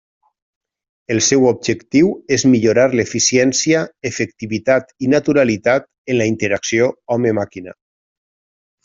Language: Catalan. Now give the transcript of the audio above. El seu objectiu és millorar l'eficiència, efectivitat i naturalitat en la interacció home-màquina.